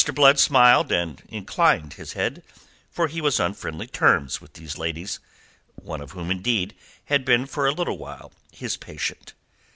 Blood smiled and inclined his head, for he was on friendly terms with these ladies, one of whom, indeed, had been for a little while his patient.